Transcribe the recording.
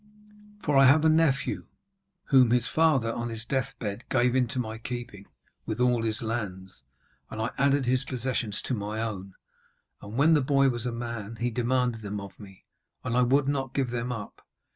For I have a nephew, whom his father, on his deathbed, gave into my keeping, with all his lands. And I added his possessions to my own, and when the boy was a man he demanded them of me, and I would not give them up.